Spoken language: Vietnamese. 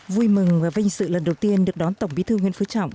vui mừng và vinh dự lần đầu tiên được đón tổng bí thư nguyễn phú trọng